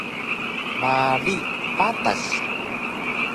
Marig Patas